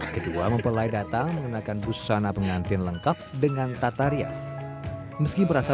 kedua memperlai datang mengenakan busana pengantin lengkap dengan tatarias meski merasa